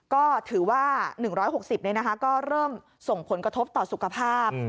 ก็ถือว่า๑๖๐ก็เริ่มส่งผลกระทบต่อสุขภาพ